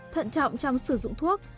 thận trọng trong sử dụng thuốc